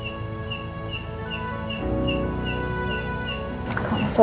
kamu juga akan mencintai aku